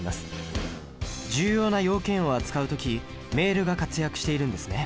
重要な要件を扱う時メールが活躍しているんですね。